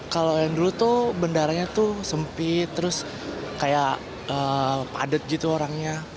kalau yang dulu tuh bandaranya tuh sempit terus kayak padat gitu orangnya